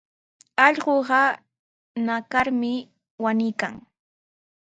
Allquqa ñakarmi wañuykan.